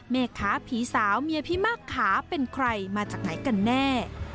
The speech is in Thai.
แม่ค้าผีสาวเมียพี่มากขาเป็นใครมาจากไหนกันแน่